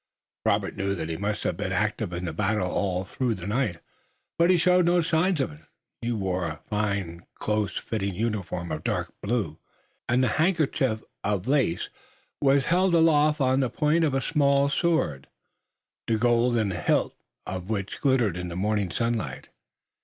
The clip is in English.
Robert knew that he must have been active in the battle all through the night, but he showed no signs of it. He wore a fine close fitting uniform of dark blue, and the handkerchief of lace was held aloft on the point of a small sword, the golden hilt of which glittered in the morning sunlight.